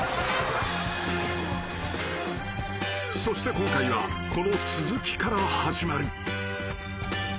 ［そして今回はこの続きから始まる］